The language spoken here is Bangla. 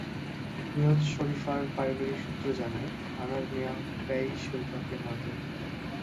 নিহত শরীফার পারিবারিক সূত্র জানায়, আনার মিয়া প্রায়ই শরীফাকে মারধর করতেন।